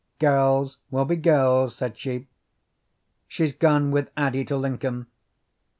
"Girls will be girls," said she. "She's gone with Addie to Lincoln.